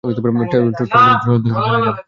ঠেল দোস্ত, ঠেলে যা।